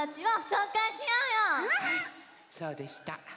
そうでした。